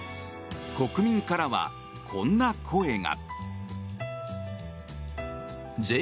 国民からはこんな声が。